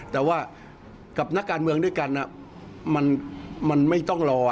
แต่ว่ากับนักการเมืองด้วยกันมันไม่ต้องรอ